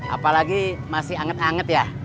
apalagi masih anget anget ya